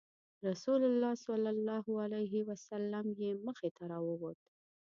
رسول الله صلی الله علیه وسلم یې مخې ته راووت.